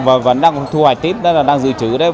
vẫn đang thu hoạch tiếp đang dự trữ đấy